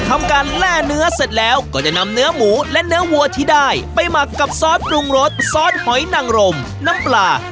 หัวตัวหนึ่งก็จะมีอยู่แค่สองเส้นนี้นะคะอ่ะโว๊ย